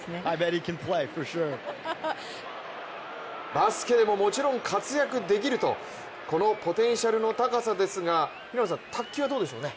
バスケでももちろん活躍できると、このポテンシャルの高さですが平野さん、卓球はどうでしょうね。